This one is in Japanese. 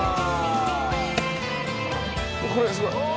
これはすごい。